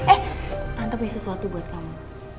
eh tante punya sesuatu buat kamu